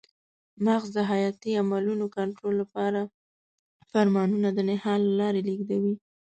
مغز د حیاتي عملونو کنټرول لپاره فرمانونه د نخاع له لارې لېږدوي.